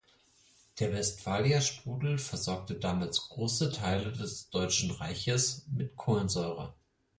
Der Westfalia-Sprudel versorgte damals große Teile des Deutschen Reiches mit Kohlensäure.